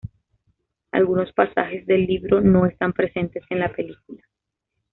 Algunos pasajes del libro no están presentes en la película.